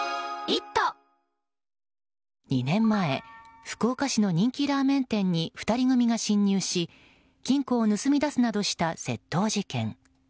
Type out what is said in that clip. ２年前福岡市の人気ラーメン店に２人組が侵入し金庫を盗み出すなどした窃盗事件。